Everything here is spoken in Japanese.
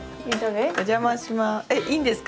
お邪魔します。